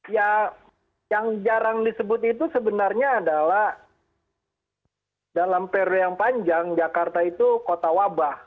ya yang jarang disebut itu sebenarnya adalah dalam periode yang panjang jakarta itu kota wabah